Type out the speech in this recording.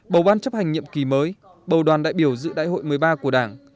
bầu ban chấp hành nhiệm kỳ mới bầu đoàn đại biểu dự đại hội một mươi ba của đảng